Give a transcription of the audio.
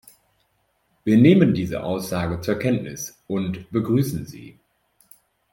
Wir nehmen diese Aussage zur Kenntnis und begrüßen sie.